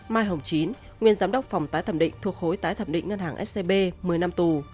mai hồng chín nguyên giám đốc phòng tái thẩm định thuộc khối tái thẩm định ngân hàng scb một mươi năm tù